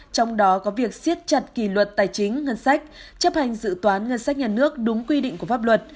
trong đó có việc siết chặt kỷ luật tài chính ngân sách chấp hành dự toán ngân sách nhà nước đúng quy định của pháp luật